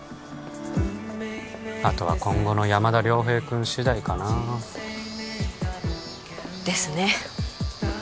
あとは今後の山田遼平君次第かなあですね